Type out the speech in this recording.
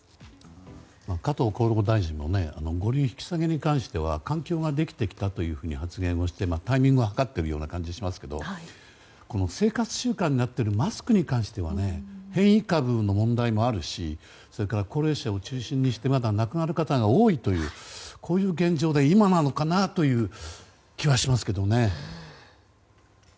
加藤厚労大臣も五類引き下げに関しては環境ができてきたというふうに発言をしてタイミングを計っているような感じがしますけど生活習慣になっているマスクに関しては変異株の問題もあるしそれから高齢者を中心にして亡くなる方が多いという現状で今なのかなという気はしますけどね。